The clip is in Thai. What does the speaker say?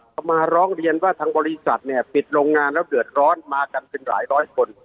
เขามาร้องเรียนว่าทางบริษัทเนี่ยปิดโรงงานแล้วเดือดร้อนมากันเป็นหลายร้อยคน